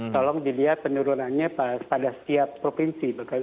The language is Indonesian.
tolong dilihat penurunannya pada setiap provinsi